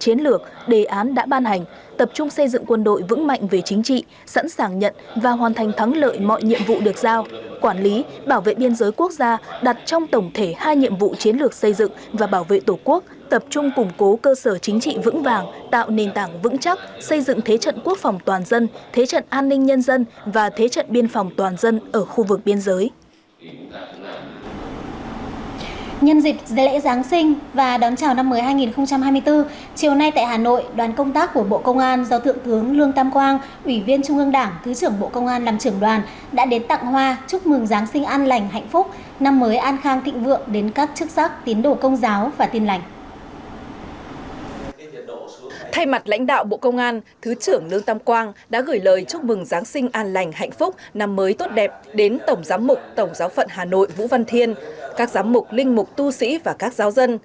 thay mặt lãnh đạo bộ công an thứ trưởng lương tâm quang đã gửi lời chúc mừng giáng sinh an lành hạnh phúc năm mới tốt đẹp đến tổng giám mục tổng giáo phận hà nội vũ văn thiên các giám mục linh mục tu sĩ và các giáo dân